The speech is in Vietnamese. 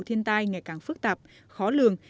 thiên tai ngày càng phức tạp khó lường